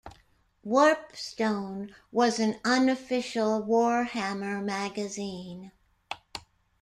"Warpstone" was an unofficial warhammer magazine.